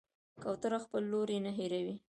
کوتره خپل لوری نه هېروي.